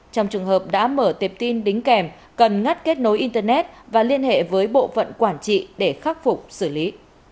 trong trường hợp đã mở tiệp tin đính kèm cần ngắt kết nối internet và liên hệ với bộ phận quản trị để khắc phục xử lý